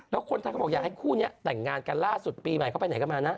แล้วคนไทยเขาบอกอยากให้คู่นี้แต่งงานกันล่าสุดปีใหม่เขาไปไหนกันมานะ